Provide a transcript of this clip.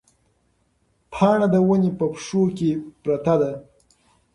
پاڼه د ونې په پښو کې پرته ده.